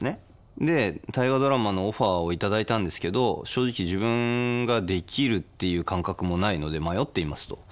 で「大河ドラマ」のオファーを頂いたんですけど正直自分ができるっていう感覚もないので迷っていますと。